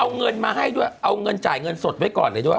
เอาเงินมาให้ด้วยเอาเงินจ่ายเงินสดไว้ก่อนเลยด้วย